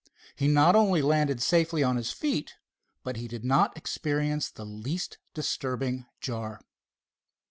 He not only landed safely on his feet, but he did not experience the least disturbing jar.